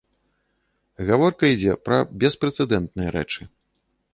Гаворка ідзе пра беспрэцэдэнтныя рэчы.